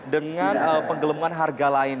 dengan penggelemuan harga lain